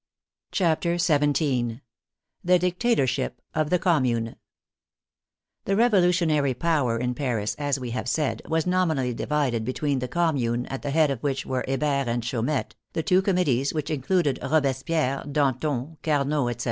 CHAPTER XVII THE DICTATORSHIP OF THE COMMUNE The Revolutionary power in Paris, as we have said, was nominally divided between the Commune, at the head of which were Hebert and Chaumette, the two com mittees, which included Robespierre, Danton, Camot, etc.